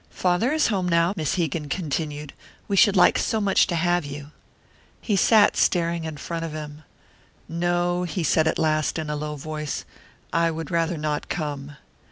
"Father is home now," Miss Hegan continued. "We should like so much to have you." He sat staring in front of him. "No," he said at last, in a low voice. "I would rather not come."